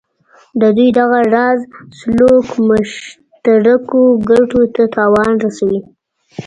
د دوی دغه راز سلوک مشترکو ګټو ته تاوان رسوي.